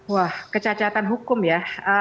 wah kecacatan hukum ya